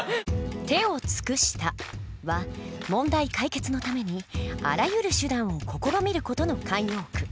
「手を尽くした」は問題解決のためにあらゆる手段を試みる事の慣用句。